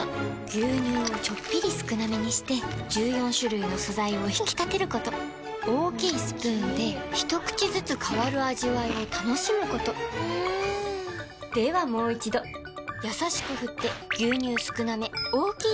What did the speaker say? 牛乳をちょっぴり少なめにして１４種類の素材を引き立てること大きいスプーンで一口ずつ変わる味わいを楽しむことではもう一度これだ！